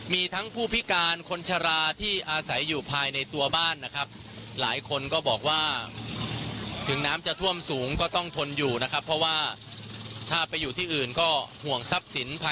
มีทั้งผู้พิการคนชราที่อาศัยอยู่ภายในตัวบ้านนะครับ